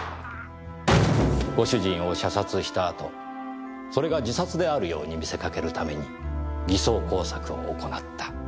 ご主人を射殺した後それが自殺であるように見せかけるために偽装工作を行った。